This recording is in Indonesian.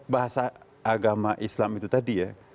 bahasa agama islam itu tadi ya